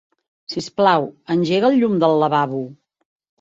Sisplau, engega el llum del lavabo.